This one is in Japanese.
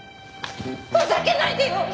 ふざけないでよ！